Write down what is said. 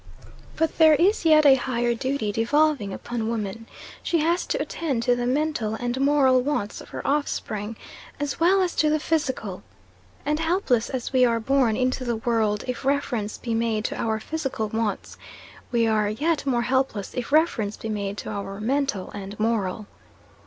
But there is yet a higher duty devolving upon woman. She has to attend to the mental and moral wants of her offspring, as well as to the physical. And helpless as we are born into the world if reference be made to our physical wants, we are yet more helpless if reference be made to our mental and moral.